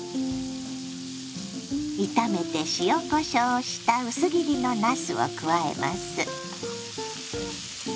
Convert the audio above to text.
炒めて塩こしょうをした薄切りのなすを加えます。